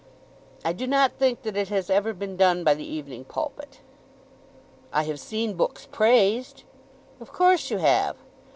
"I do not think that it has ever been done by the 'Evening Pulpit.'" "I have seen books praised." "Of course you have."